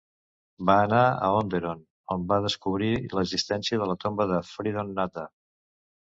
Va anar a Onderon, on va descobrir l'existència de la tomba de Freedon Naddha.